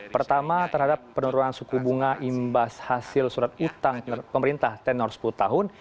pertama terhadap penurunan suku bunga imbas hasil surat utang pemerintah tenor sepuluh tahun